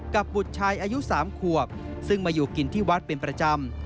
บุตรชายอายุ๓ขวบซึ่งมาอยู่กินที่วัดเป็นประจำ